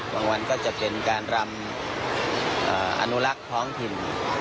วันก็จะเป็นการรำอนุลักษ์ท้องถิ่น